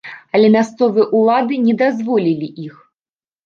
Але мясцовыя ўлады не дазволілі іх.